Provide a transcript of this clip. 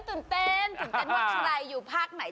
ตื่นเต้นว่าใครอยู่ภาคไหน